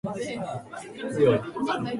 お茶を飲む